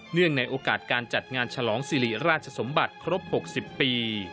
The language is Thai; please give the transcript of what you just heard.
ในโอกาสการจัดงานฉลองสิริราชสมบัติครบ๖๐ปี